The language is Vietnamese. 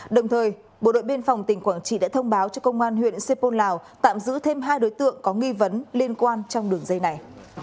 đồng thời bộ đội biên phòng tỉnh quảng trị đã thông báo cho công an huyện xê pôn lào tạm giữ thêm hai đối tượng có nghi vấn liên quan trong đường dây này